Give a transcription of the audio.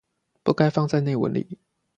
不該放在內文裡